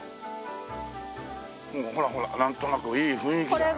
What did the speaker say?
もうほらほらなんとなくいい雰囲気じゃないですか。